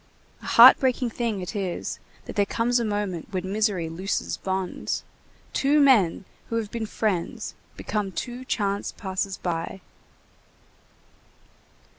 A heart breaking thing it is that there comes a moment when misery looses bonds! Two men who have been friends become two chance passers by.